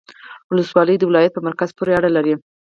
ولسوالۍ د ولایت په مرکز پوري اړه لري